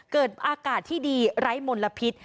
เกิดอากาศที่ดีไร้มลพิษ